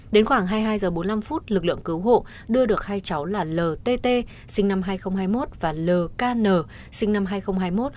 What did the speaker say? đến khoảng hai mươi hai h bốn mươi năm phút lực lượng cứu hộ đưa được hai cháu là l t t sinh năm hai nghìn hai mươi một và l k n sinh năm hai nghìn hai mươi một